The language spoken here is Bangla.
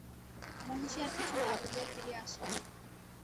মহিষী আর কিছু না বলিয়া ফিরিয়া আসিলেন।